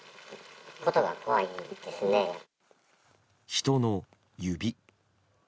人の指。